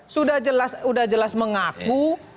sudah jelas mengaku